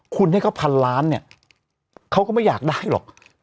คุณให้เขาพันล้านเนี่ยเขาก็ไม่อยากได้หรอก